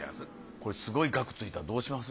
これすごい額ついたらどうします？